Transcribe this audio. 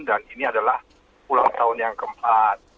dan ini adalah ulang tahun yang keempat